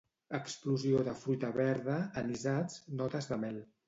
Explosió de fruita verda, anisats, notes de mel.